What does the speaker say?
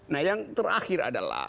nah yang terakhir adalah